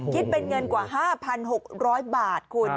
กินเป็นเงินกว่าห้าพันหกร้อยบาท